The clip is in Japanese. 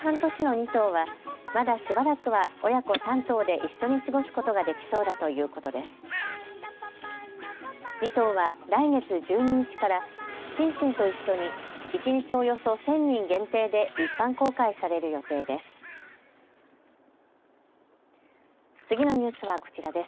２頭は来月１２日からシンシンと一緒に一日およそ１０００人限定で一般公開される予定です。